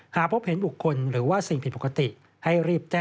หาพบเห็นปกคลหรือว่าสิ่งผิดปกติ